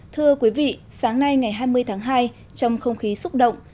thưa quý vị sáng nay ngày hai mươi tháng hai trong không khí xúc động